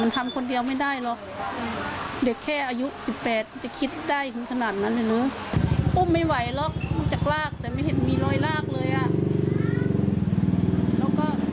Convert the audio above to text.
แต่ไม่เห็นมีรอยลากเลยน่ะ